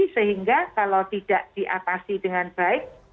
sehingga kalau tidak diatasi dengan baik